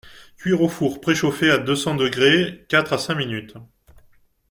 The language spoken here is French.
Cuire au four préchauffé à deux-cents degrés, quatre à cinq minutes.